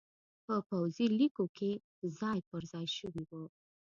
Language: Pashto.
په پوځي لیکو کې ځای پرځای شوي وو